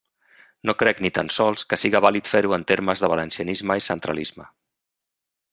No crec, ni tan sols, que siga vàlid fer-ho en termes de valencianisme i centralisme.